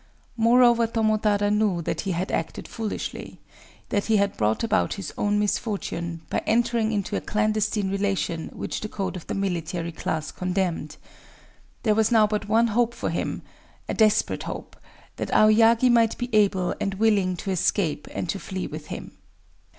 Moreover Tomotada knew that he had acted foolishly,—that he had brought about his own misfortune, by entering into a clandestine relation which the code of the military class condemned. There was now but one hope for him,—a desperate hope: that Aoyagi might be able and willing to escape and to flee with him.